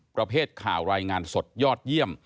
ประเภทข่าวรายงานสดยอดเยี่ยม